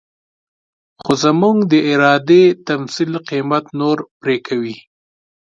خو زموږ د ارادې تمثيل قيمت نور پرې کوي.